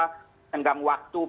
speoknya saya dindahkan